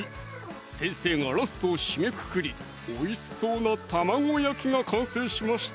先生がラストを締めくくりおいしそうな玉子焼きが完成しました